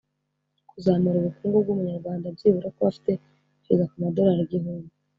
kuzamura ubukungu bw’umunyarwanda byibura kuba afite kugeza ku madorari igihumbi